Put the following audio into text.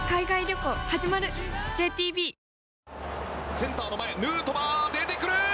センターの前ヌートバー、出てくる！